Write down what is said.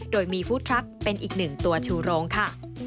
โดยมีฟู้ดทรัคเป็นอีกหนึ่งตัวชูโรงค่ะ